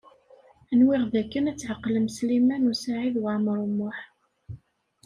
Nwiɣ dakken ad tɛeqlem Sliman U Saɛid Waɛmaṛ U Muḥ.